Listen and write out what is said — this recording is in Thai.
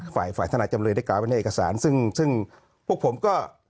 ฝ่ายฝ่ายทนายจำเลยได้กล่าวไว้ในเอกสารซึ่งซึ่งพวกผมก็